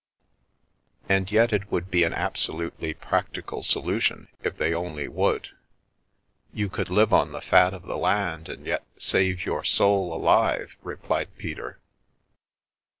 " And yet it would be an absolutely practical solution, if they only would. You could live on the fat of the land and yet save your soul alive/' replied Peter.